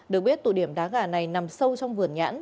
được biết tụ điểm đá gà này nằm sâu trong vườn nhãn